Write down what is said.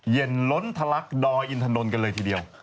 ล้นทะลักดอยอินถนนกันเลยทีเดียว